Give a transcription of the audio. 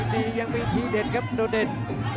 มอยังมีทีเดินครับโดดเดน